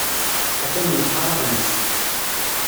Atan yeqqar aɣmis.